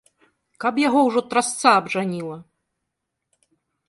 Каб яго ўжо трасца абжаніла!